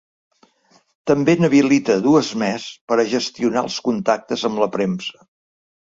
També n’habilita dues més per a gestionar els contactes amb la premsa.